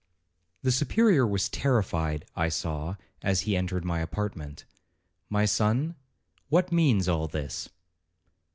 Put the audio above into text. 'The Superior was terrified, I saw, as he entered my apartment. 'My son, what means all this?'